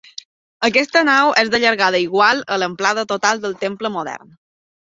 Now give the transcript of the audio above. Aquesta nau és de llargada igual a l'amplada total del temple modern.